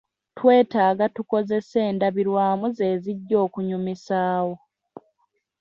Twetaaga tukozese endabirwamu ze zijja okunyumisaawo.